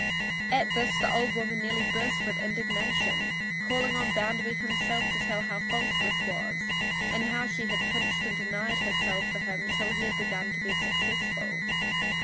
At this the old woman nearly burst with indignation, calling on Bounderby himself to tell how false this was and how she had pinched and denied herself for him till he had begun to be successful.